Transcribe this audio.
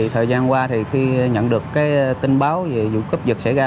thời gian qua khi nhận được tin báo về dụng cấp dựt xảy ra